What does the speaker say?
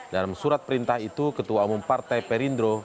dalam surat perintah itu ketua umum partai perindro